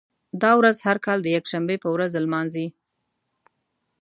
دا ورځ هر کال د یکشنبې په ورځ لمانځي.